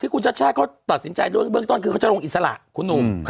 คุณชัดชาติเขาตัดสินใจด้วยเบื้องต้นคือเขาจะลงอิสระคุณหนุ่ม